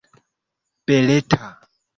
beleta